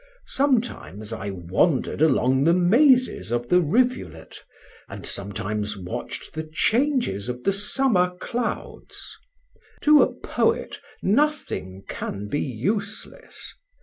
Sometimes I wandered along the mazes of the rivulet, and sometimes watched the changes of the summer clouds. To a poet nothing can be useless.